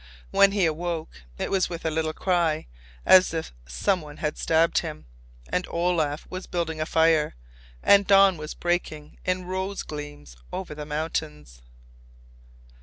When he awoke, it was with a little cry, as if someone had stabbed him; and Olaf was building a fire, and dawn was breaking in rose gleams over the mountains.